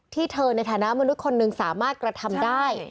เธอในฐานะมนุษย์คนหนึ่งสามารถกระทำได้